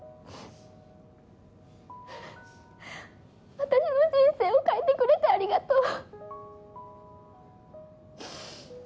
私の人生を変えてくれてありがとう。